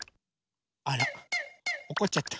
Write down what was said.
あらおこっちゃった。